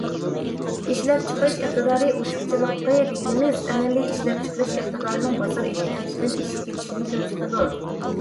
ئىشلەپچىقىرىش ئىقتىدارى ئوشۇقچىلىقى دېگىنىمىز، ئەمەلىي ئىشلەپچىقىرىش ئىقتىدارىنىڭ بازار ئېھتىياجىدىن ئېشىپ كېتىشىنى كۆرسىتىدۇ.